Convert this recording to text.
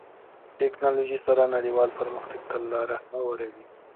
ټکنالوژي سره نړیوال پرمختګ ته لاره هواروي.